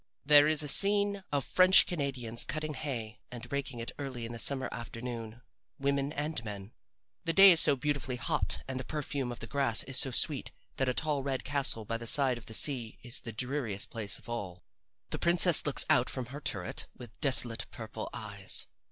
There is a scene of French Canadians cutting hay and raking it early in the summer afternoon women and men. The day is so beautifully hot and the perfume of the grass is so sweet that a tall red castle by the side of the sea is the dreariest place of all. The princess looks out from her turret with desolate purple eyes.